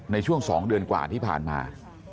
ในช่วง๒เดือนกว่าที่ผ่านมา